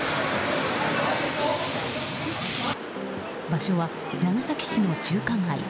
場所は長崎市の中華街。